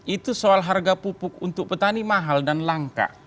itu soal harga pupuk untuk petani mahal dan langka